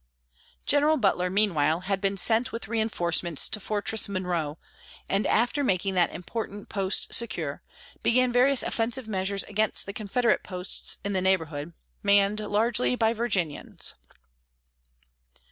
General Butler, meanwhile, had been sent with reinforcements to Fortress Monroe, and after making that important post secure, began various offensive measures against the Confederate posts in the neighborhood, manned largely by Virginians.